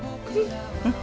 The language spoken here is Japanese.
うん。